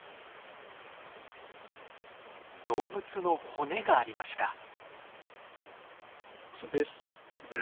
動物の骨がありました。